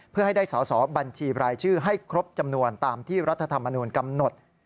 เพื่อให้ได้สอสอบัญชีรายชื่อให้ครบจำนวนตามที่รัฐธรรมนูลกำหนด